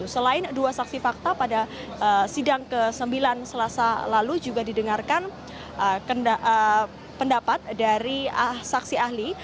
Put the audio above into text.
selain dua saksi fakta pada sidang ke sembilan selasa lalu juga didengarkan pendapat dari saksi ahli